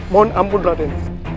mohon ampun raden